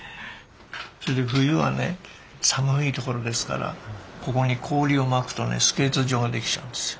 それで冬はね寒い所ですからここに氷をまくとねスケート場ができちゃうんですよ。